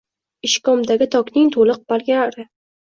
ishkomdagi tokning boʼliq barglari